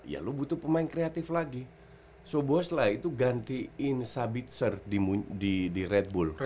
ya lo butuh pemain kreatif lagi sobosla itu gantiin sabitzer di red bull